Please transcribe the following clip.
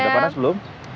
udah panas belum